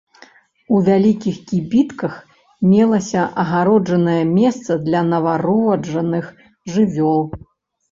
У вялікіх кібітках мелася адгароджанае месца для нованароджаных жывёл.